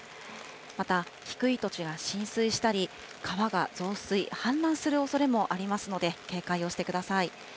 また、低い土地が浸水したり、川が増水、氾濫するおそれもありますので、警戒をしてください。